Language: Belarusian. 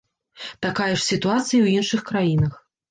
Такая ж сітуацыя і ў іншых краінах.